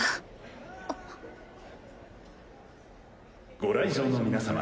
ご来場の皆様